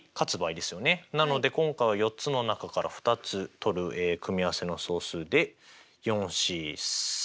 なので今回は４つの中から２つ取る組合せの総数でＣ。